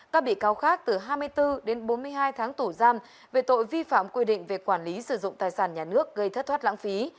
các bị cáo khác từ hai mươi bốn đến bốn mươi hai tháng tủ giam về tội vi phạm quy định về quản lý sử dụng tài sản nhà nước gây thất thoát lãng phí